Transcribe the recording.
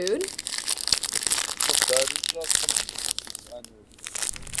Хъыбарыщӏэкъым жысӏэнур.